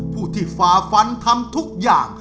ผู้ที่ฝ่าฟันทำทุกอย่าง